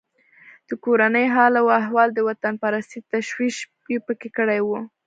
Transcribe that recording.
د کورني حال و احوال او وطنپرستۍ ته تشویق یې پکې کړی و.